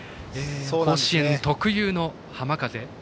甲子園特有の浜風。